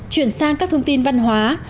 chuyển sang các thông tin văn hóa